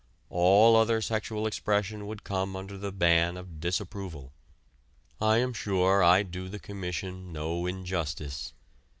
All other sexual expression would come under the ban of disapproval. I am sure I do the Commission no injustice.